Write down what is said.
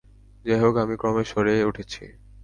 যাই হোক, আমি ক্রমে সেরে উঠছি।